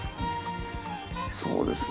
そうですね